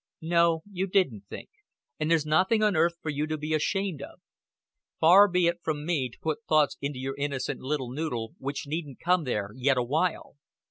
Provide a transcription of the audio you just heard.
"No, you didn't think. And there's nothing on earth for you to be ashamed of. Far be it from me to put thoughts into your innocent little noddle which needn't come there yet a while.